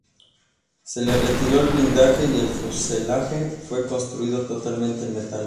Se le retiró el blindaje y el fuselaje fue construido totalmente en metal.